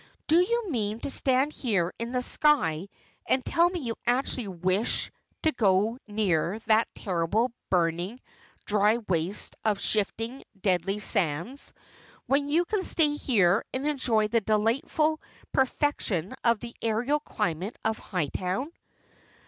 "Do you mean to stand here in the sky and tell me you actually wish to go near that terrible, burning, dry waste of shifting, deadly sands, when you can stay here and enjoy the delightful perfection of the aerial climate of Hightown?"